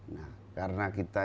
nah karena kita